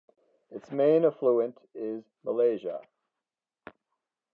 Its main affluent is Malaysia.